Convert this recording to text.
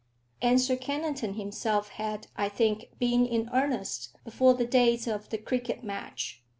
And Sir Kennington himself had, I think, been in earnest before the days of the cricket match.